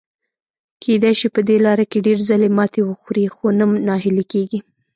کېدای شي په دې لاره کې ډېر ځلي ماتې وخوري، خو نه ناهیلي کیږي.